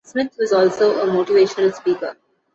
Smith was also a motivational speaker.